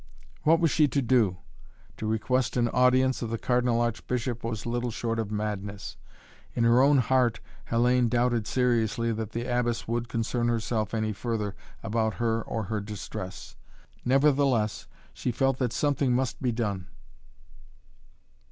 What was she to do? To request an audience of the Cardinal Archbishop was little short of madness. In her own heart Hellayne doubted seriously that the Abbess would concern herself any further about her or her distress. Nevertheless she felt that something must be done.